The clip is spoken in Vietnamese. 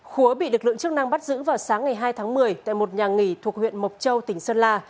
khố bị lực lượng chức năng bắt giữ vào sáng ngày hai tháng một mươi tại một nhà nghỉ thuộc huyện mộc châu tỉnh sơn la